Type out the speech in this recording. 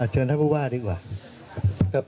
เชิญท่านผู้ว่าดีกว่า